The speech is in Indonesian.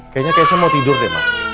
kayaknya kayanya saya mau tidur dek mak